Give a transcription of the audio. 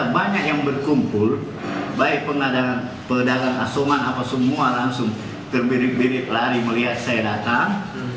banyak yang berkumpul baik pengadangan asuman atau semua langsung terbirit birit lari melihat saya datang